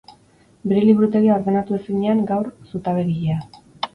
Bere liburutegia ordenatu ezinean gaur, zutabegilea.